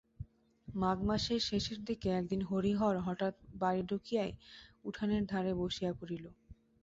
মাঘ মাসের শেষের দিকে একদিন হরিহর হঠাৎ বাড়ি ঢুকিয়াই উঠানের ধারে বসিয়া পড়িল।